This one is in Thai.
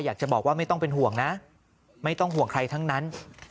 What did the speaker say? อยากจะบอกว่าไม่ต้องเป็นห่วงนะไม่ต้องห่วงใครทั้งนั้น